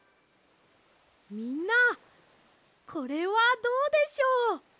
みんなこれはどうでしょう？